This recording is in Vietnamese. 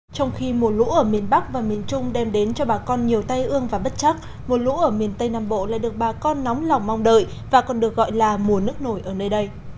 trong khi mùa lũ ở miền bắc và miền trung đem đến cho bà con nhiều tay ương và bất chắc mùa lũ ở miền tây nam bộ lại được bà con nóng lòng mong đợi và còn được gọi là mùa nước nổi ở nơi đây